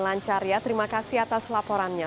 lancar ya terima kasih atas laporannya